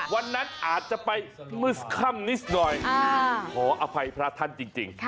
วันนั้นอาจจะไปมืดค่ำนิดหน่อยขออภัยพระท่านจริง